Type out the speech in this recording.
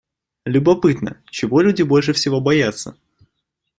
Любопытно, чего люди больше всего боятся?